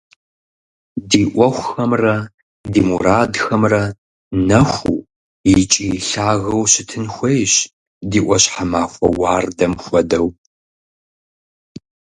Ди ӏуэхухэмрэ ди мурадхэмрэ нэхуу икӏи лъагэу щытын хуейщ, ди ӏуащхьэмахуэ уардэм хуэдэу.